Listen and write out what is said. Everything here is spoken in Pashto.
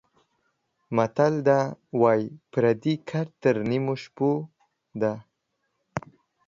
متل ده:واى پردى ګټ تر نيمو شپو ده.